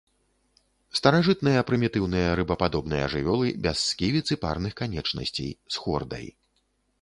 Старажытныя прымітыўныя рыбападобныя жывёлы без сківіц і парных канечнасцей, з хордай.